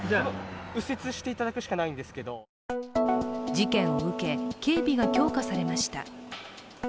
事件を受け、警備が強化されました。